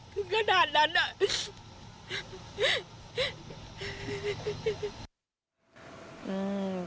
ถึงขนาดนั้นอ่ะ